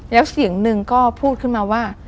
แล้วเสียงหนึ่งก็พูดขึ้นมาว่า